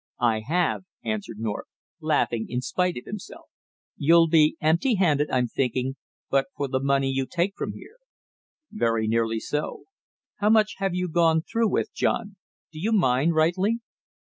"I have," answered North, laughing in spite of himself. "You'll be empty handed I'm thinking, but for the money you take from here."' "Very nearly so." "How much have you gone through with, John, do you mind rightly?"